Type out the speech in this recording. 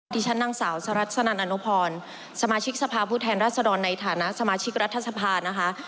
ที่ฉันนางสาวสรัสสนันอนุพรสมาชิกสภาพผู้แทนรัศดรในฐานะสมาชิกรัฐสภานะคะ